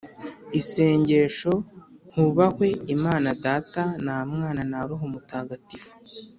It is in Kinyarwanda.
isengesho hubahwe imana data na mwana na roho mutagatifu